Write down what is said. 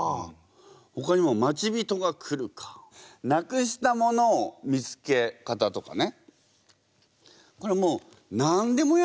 ほかにも「待ち人が来るか」「無くしたものを見つけ方」とかね。